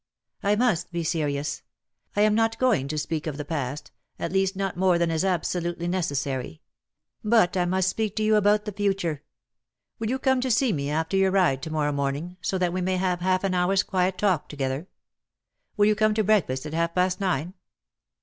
"I must be serious. I am not going to speak of the past, at least not more than is absolutely necessary. But I must speak to you about the future. Will you come to see me after your ride to morrow morning, so that we may have half an hour's quiet talk together? Will you come to break fast at half past nine?"